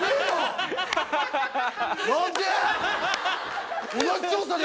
何で！？